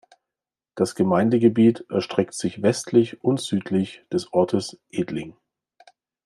Das Gemeindegebiet erstreckt sich westlich und südlich des Ortes Edling.